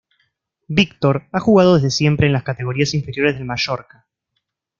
Víctor ha jugado desde siempre en las categorías inferiores del Mallorca.